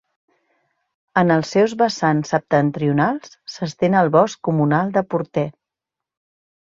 En els seus vessants septentrionals s'estén el Bosc Comunal de Portè.